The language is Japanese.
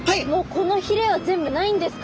このひれは全部ないんですか？